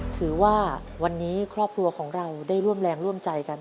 ถือว่าวันนี้ครอบครัวของเราได้ร่วมแรงร่วมใจกัน